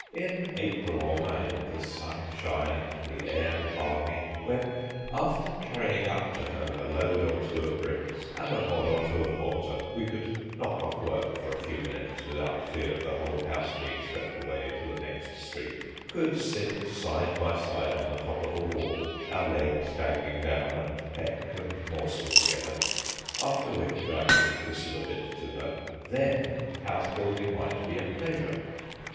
In April or May, the sun shining, the air balmy—when, after carrying up to her a load or two of bricks, and a hod or two of mortar, we could knock off work for a few minutes without fear of the whole house being swept away into the next street—could sit side by side on the top of a wall, our legs dangling down, and peck and morsel together; after which I could whistle a bit to her—then housebuilding might be a pleasure.